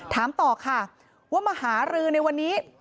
ถามต่อค่ะว่ามาหารือในวันนี้